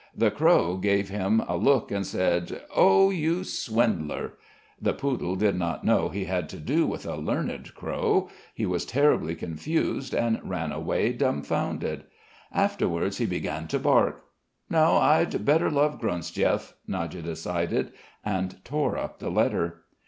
The crow gave him a look and said: "Oh, you swindler!" The poodle did not know he had to do with a learned crow. He was terribly confused, and ran away dumfounded. Afterwards he began to bark. "No, I'd better love Gronsdiev," Nadya decided and tore up the letter.